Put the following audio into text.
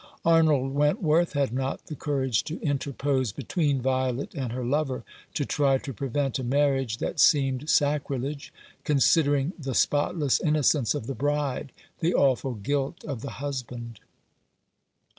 Arnold Wentworth had not the courage to interpose between Violet and her lover — to try to prevent a marriage that seemed sacrilege, considering the spotless inno cence of the bride, the awful guilt of the husband.